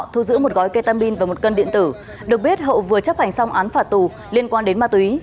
thu giữ một gói ketamin và một cân điện tử được biết hậu vừa chấp hành xong án phạt tù liên quan đến ma túy